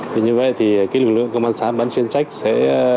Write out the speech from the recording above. thì như vậy thì cái lực lượng công an xã bán chuyên trách sẽ